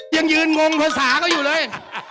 ยังยืนมองภาษาก็อยู่เลย